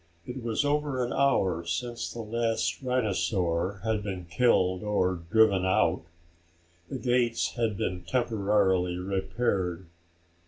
It was over an hour since the last rhinosaur had been killed or driven out. The gates had been temporarily repaired.